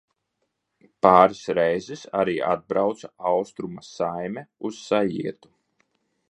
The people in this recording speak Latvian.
Pāris reizes arī atbrauca Austruma saime uz saietu.